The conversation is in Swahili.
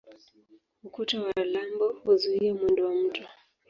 Ukuta wa lambo huzuia mwendo wa mto.